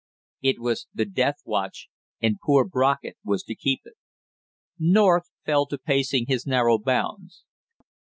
It was the death watch, and poor Brockett was to keep it. North fell to pacing his narrow bounds.